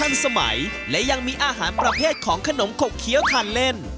สมัยและยังมีอาหารประเภทของขนมขกเคี้ยวทานเล่น